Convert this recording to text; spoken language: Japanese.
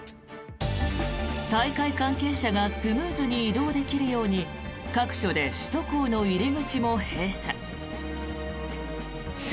大会関係者がスムーズに移動できるように各所で首都高の入り口も閉鎖。